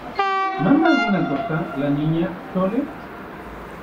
¿ manda alguna cosa la Niña Chole?